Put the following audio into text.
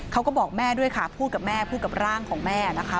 เขาก็บอกแม่ด้วยค่ะพูดกับแม่พูดกับร่างของแม่นะคะ